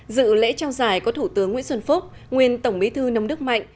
dự lễ trao giải có thủ tướng nguyễn xuân phúc nguyên tổng bí thư nông đức mạnh